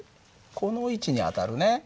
この位置に当たるね。